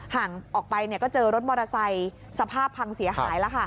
ห่างออกไปก็เจอรถมอเตอร์ไซค์สภาพพังเสียหาย